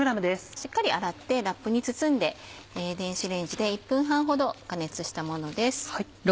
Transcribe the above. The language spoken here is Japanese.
しっかり洗ってラップに包んで電子レンジで１分半ほど加熱したものです。